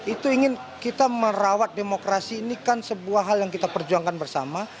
itu ingin kita merawat demokrasi ini kan sebuah hal yang kita perjuangkan bersama